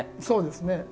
そうですね。